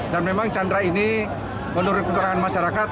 dan memang chandra ini menurut keterangan masyarakat